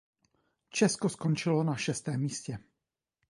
Česko skončilo na šestém místě.